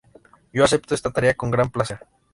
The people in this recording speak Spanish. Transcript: Yo acepto esa tarea con gran placer.